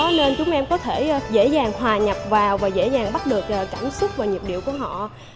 nên chúng em có thể dễ dàng hòa nhập vào và dễ dàng bắt được cảm xúc và nhịp điệu của họ